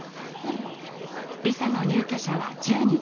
リサの入居者は１０人。